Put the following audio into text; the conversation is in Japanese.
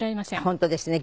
本当ですね